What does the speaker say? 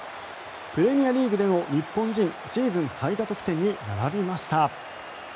プレミアリーグでの日本人シーズン最多得点に並びました。